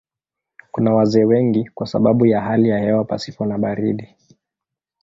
Kuna wazee wengi kwa sababu ya hali ya hewa pasipo na baridi.